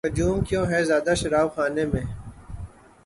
ہجوم کیوں ہے زیادہ شراب خانے میں